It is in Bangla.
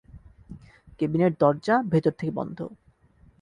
কেবিনের দরজা ভেতর থেকে বন্ধ।